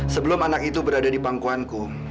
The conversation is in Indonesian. sebelum anak itu berada di pangkuanku